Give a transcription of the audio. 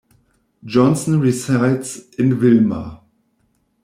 Johnson resides in Willmar.